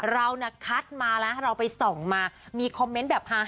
เราขัดมานะเราไปส่องมามีคอมเมนต์แบบฮา